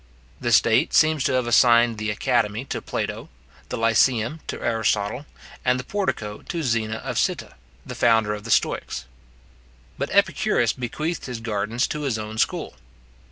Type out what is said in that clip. The state seems to have assigned the Academy to Plato, the Lyceum to Aristotle, and the Portico to Zeno of Citta, the founder of the Stoics. But Epicurus bequeathed his gardens to his own school.